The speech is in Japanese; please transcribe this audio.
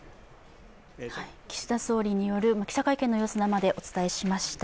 岸田総理による記者会見の様子、生でお伝えしました。